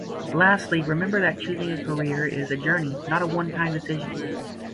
Lastly, remember that choosing a career is a journey, not a one-time decision.